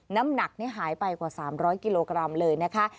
น้ำหนักหายไปกว่า๓๐๐กิโลกรัมเลยนะคะ